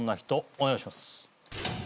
お願いします。